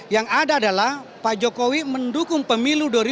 yang ada adalah pak jokowi mendukung pemilu dua ribu dua puluh empat ini